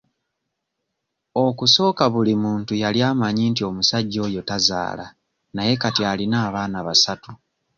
Okusooka buli muntu yali amanyi nti omusajja oyo tazaala naye kati alina abaana basatu.